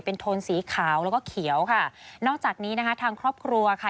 เป็นโทนสีขาวแล้วก็เขียวค่ะนอกจากนี้นะคะทางครอบครัวค่ะ